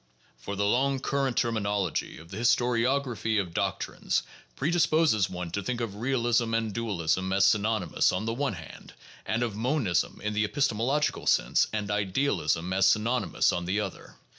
For the long current terminology of the his toriography of doctrines predisposes one to think of realism and dualism as synonymous, on the one hand, and of monism (in the epistemological sense) and idealism as synonymous, on the other.